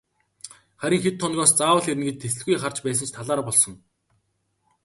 Харин хэд хоногоос заавал ирнэ гэж тэсэлгүй харж байсан ч талаар болсон.